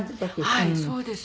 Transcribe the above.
はいそうです。